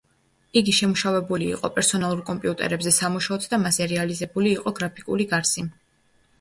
იგი შემუშავებული იყო პერსონალურ კომპიუტერებზე სამუშაოდ და მასზე რეალიზებული იყო გრაფიკული გარსი.